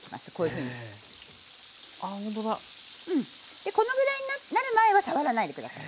でこのぐらいになる前は触らないで下さい。